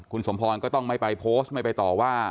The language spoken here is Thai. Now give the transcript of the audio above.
คุณสมพรก็ต้องไม่ไปโพสต์ไม่ไปต่อว่า